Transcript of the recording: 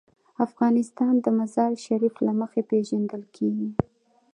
افغانستان د مزارشریف له مخې پېژندل کېږي.